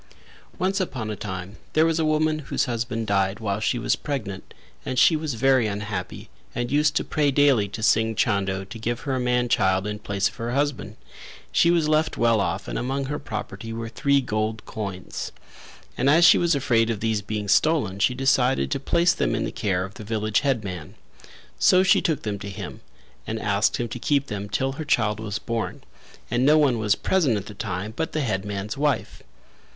Once upon a time there was a woman whose husband died while she was pregnant, and she was very unhappy and used to pray daily to Singh Chando to give her a man child in place of her husband; she was left well off and among her property were three gold coins, and as she was afraid of these being stolen she decided to place them in the care of the village headman. So she took them to him and asked him to keep them till her child was born; and no one was present at the time but the headman's wife.